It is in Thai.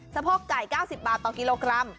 โพกไก่๙๐บาทต่อกิโลกรัม